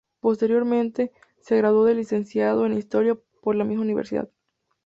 Posteriormente, se graduó de licenciado en Historia por la misma universidad.